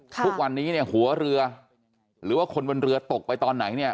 ทุกวันนี้หัวเรือหรือว่าคนบนเรือตกไปตอนไหน